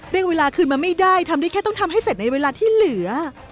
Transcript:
เวลาคืนมาไม่ได้ทำได้แค่ต้องทำให้เสร็จในเวลาที่เหลือ